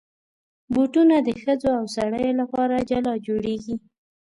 بوټونه د ښځو او سړیو لپاره جلا جوړېږي.